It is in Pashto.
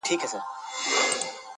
درد لا هم هماغسې پاتې دی,